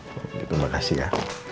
terima kasih ya